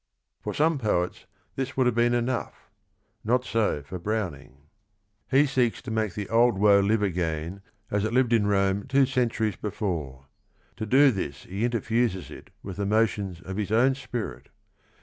For some poets this would have been enough; not so for Browning. He seeks to make "the old woe" li ve again as it lived in Rome two cen turies be£oxe_ JTcLuie 4his 4)* 4Hte?fHses—it^ith the motions of his own spi rit.